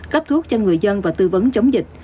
cấp thuốc cho người dân và tư vấn chống dịch